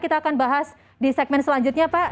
kita akan bahas di segmen selanjutnya pak